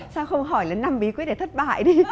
sao không hỏi đến năm bí quyết để thất bại đi